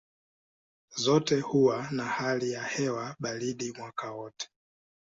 Zote huwa na hali ya hewa baridi mwaka wote.